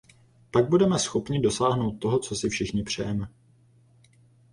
Pak budeme schopni dosáhnout toho, co si všichni přejeme.